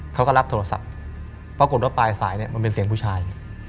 เขาก็รับโทรศัพท์ปรากฏว่าปลายสายเนี่ยมันเป็นเสียงผู้ชาย